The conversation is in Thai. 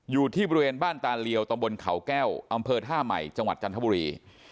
อยู่ที่บริเวณบ้านตาเลียวตำบลเขาแก้วอำเภอท่าใหม่จังหวัดจันทบุรี